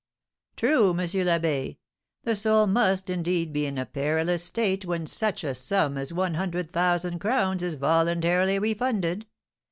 "True, M. l'Abbé, the soul must indeed be in a perilous state when such a sum as one hundred thousand crowns is voluntarily refunded.